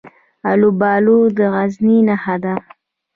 الوبالو د غزني نښه ده.